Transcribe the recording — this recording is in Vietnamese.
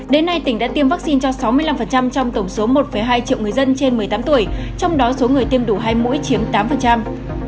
đến nay tỉnh đã tiêm vaccine cho sáu mươi năm trong tổng số một hai triệu người dân trên một mươi tám tuổi trong đó số người tiêm đủ hai mũi chiếm tám